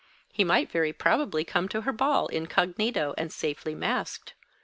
He might very probably come to her ball, incognito, and safely masked.